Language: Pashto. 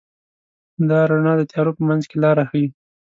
دا رڼا د تیارو په منځ کې لاره ښيي.